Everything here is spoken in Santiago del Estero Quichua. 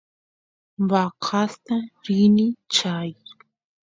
vacasta rini chay